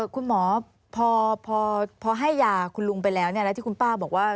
คุณหมอพอให้ยาคุณลุงไปแล้วแล้วที่คุณป้าบอกว่า